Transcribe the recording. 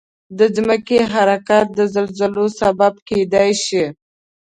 د ځمکې حرکت د زلزلو سبب کېدای شي.